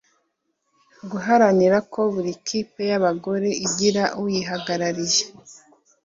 guharanira ko buri kipe y abagore igira uyihagarariye